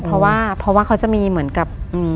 เพราะว่าเขาจะมีเหมือนกับ